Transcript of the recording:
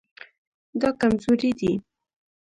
دا کمزوری دی